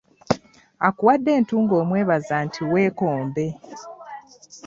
Akuwadde entungo omwebaza nti weekombe.